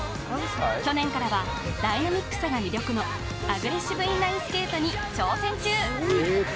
去年からはダイナミックさが魅力のアグレッシブインラインスケートに挑戦中！